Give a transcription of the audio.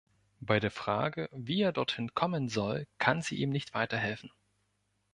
Bei der Frage, wie er dorthin kommen soll, kann sie ihm nicht weiterhelfen.